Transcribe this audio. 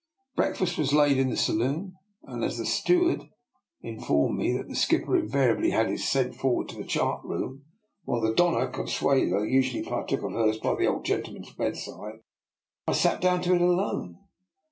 Breakfast was laid in the saloon; and as the steward in formed me that the skipper invariably had his sent forward to the chart room, while the Doiia Consuelo usually partook of hers by the old gentleman's bedside, I sat down to it alone.